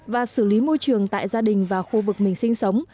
và xử lý môi trường tại gia đình và khu vực mình sinh sống